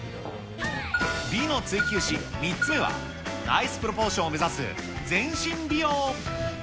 美の追求史、３つ目は、ナイスプロポーションを目指す全身美容。